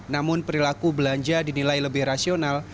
namun perilaku belanja dinilai lebih rasional